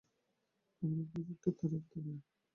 খবরের কাগজে একটা তারিখ থাকে।